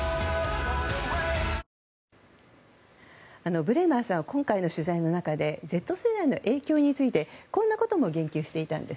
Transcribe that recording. ブレマーさんは今回の取材の中でＺ世代の影響についてこんなことも言及していました。